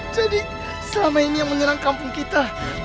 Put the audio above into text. jadi selama ini yang menyerang kampung kita